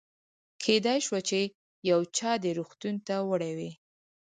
کېدای شوه چې یو چا دې روغتون ته وړی وي.